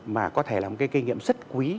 mà có thể là một cái kinh nghiệm rất quý